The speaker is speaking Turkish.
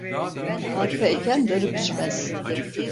Arpa eken darı biçmez.